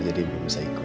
jadi belum bisa ikut